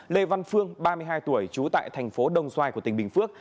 lê văn phương ba mươi hai tuổi trú tại thành phố đồng xoài của tỉnh bình phước